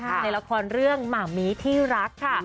ในละครเรื่องหมามีที่รักค่ะ